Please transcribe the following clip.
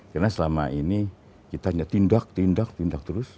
karena selama ini kita hanya tindak tindak terus